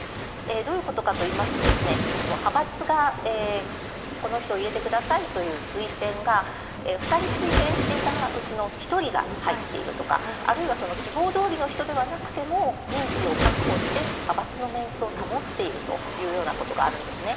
どういうことかといいますと派閥がこの人を入れてくださいという推薦が２人推薦していたうちの１人が入っているとかあるいは希望どおりの人ではなくても人数を確保して派閥のメンツを保っているということがあるんですね。